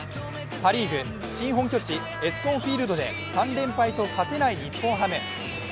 パ・リーグ、新本拠地ＥＳＣＯＮＦＩＥＬＤで３連敗と勝てない日本ハム。